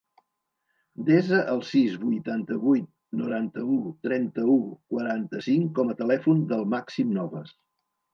Desa el sis, vuitanta-vuit, noranta-u, trenta-u, quaranta-cinc com a telèfon del Màxim Novas.